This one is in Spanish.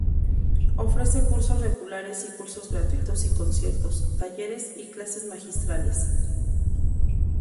Ofrece cursos regulares y cursos gratuitos y conciertos, talleres y clases magistrales.